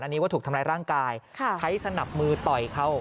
อันนี้ว่าถูกทำร้ายร่างกายใช้สนับมือต่อยเขา